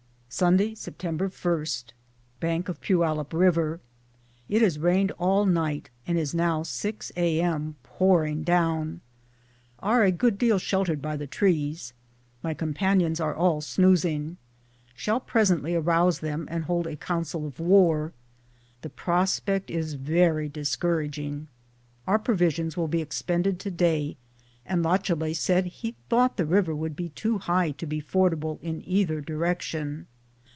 Sunday, Sept. i. Bank of Poyallip river. It has rained all night and is now, 6 A.M., pouring down. Are a good deal sheltered by the trees. My com panions are all snoozing. Shall presently arouse them and hold a council of war. The prospect is very dis couraging. Our provisions will be expended today and Lachalet said he thought the river would be too high to be fordable in either direction.